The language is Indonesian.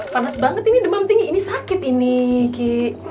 panas banget ini demam tinggi ini sakit ini ki